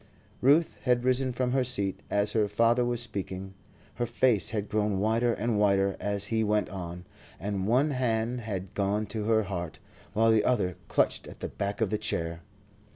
Ruth had risen from her seat as her father was speaking; her face had grown whiter and whiter as he went on, and one hand had gone to her heart, while the other clutched at the back of the chair.